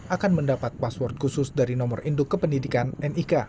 akan mendapat password khusus dari nomor induk kependidikan nik